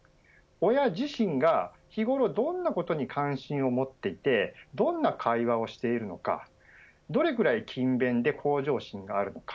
親自身が日頃どんなことに関心を持っていてどんな会話をしているのかどれぐらい勤勉で向上心があるのか。